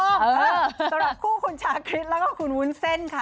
สำหรับคู่คุณชาคริตกับคุณวุ้นเซนค่ะ